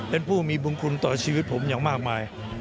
เป็นผู้มีบุญคุณต่อชีวิตผมอย่างมากมาย